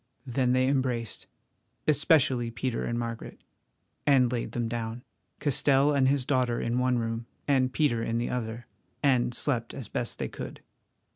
Then they embraced—especially Peter and Margaret—and laid them down, Castell and his daughter in one room, and Peter in the other, and slept as best they could.